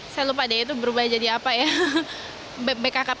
saya lupa deh itu berubah jadi apa ya bkkp